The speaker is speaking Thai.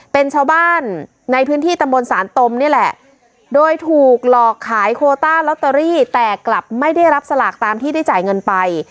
เป็นชาวบ้านในพื้นที่ตำบลสานตมนี่แหละโดยถูกหลอกขายโคต้าลอตเตอรี่แต่กลับไม่ได้รับสลากตามที่ได้จ่ายเงินไป